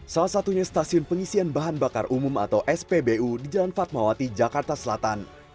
salah satunya stasiun pengisian bahan bakar umum atau spbu di jalan fatmawati jakarta selatan